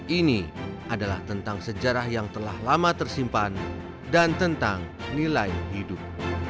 ini adalah tentang sejarah yang telah lama tersimpan dan tentang nilai hidup